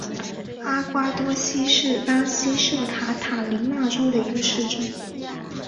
阿瓜多西是巴西圣卡塔琳娜州的一个市镇。